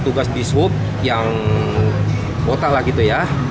tugas bisub yang botak lah gitu ya